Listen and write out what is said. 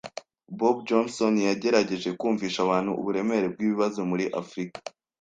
Bob Johnson yagerageje kumvisha abantu uburemere bwibibazo muri Afrika